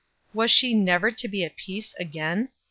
Was she never to be at peace again?